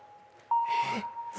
えっ？